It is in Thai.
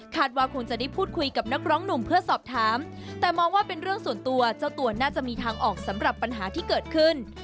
ว่าคงจะได้พูดคุยกับนักร้องหนุ่มเพื่อสอบถามแต่มองว่าเป็นเรื่องส่วนตัวเจ้าตัวน่าจะมีทางออกสำหรับปัญหาที่เกิดขึ้น